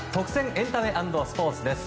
エンタメ＆スポーツです。